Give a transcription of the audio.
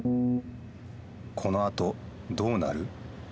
このあとどうなる？